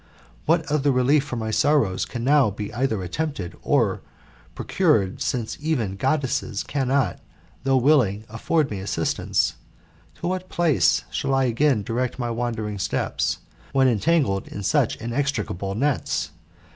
" What other relief for my sorrows can now be either attempted or procured since even Goddesses cannot, though willing, afford me assistance ? To what place shall I again direct my wandering steps, when entangled in such inextricable nets